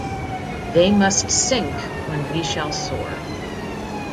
They must sink when we shall soar.